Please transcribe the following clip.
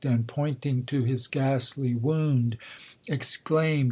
And pointing to his ghastly wound, exclaiin'd